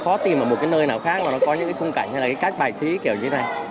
khó tìm ở một nơi nào khác mà nó có những khung cảnh hay là các bài thí kiểu như thế này